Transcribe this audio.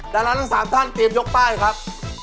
ดาราทั้ง๓ท่านเตรียมยกป้ายครับ